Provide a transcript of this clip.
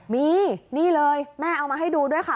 มีนี่เลยแม่เอามาให้ดูด้วยค่ะ